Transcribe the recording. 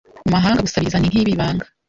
Mu mahanga gusabiriza ni nkibi banga